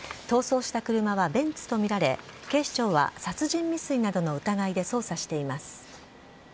逃走した車はベンツと見られ、警視庁は殺人未遂などの疑いで捜査しています。